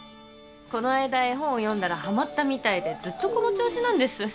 この間絵本を読んだらハマったみたいでずっとこの調子なんです。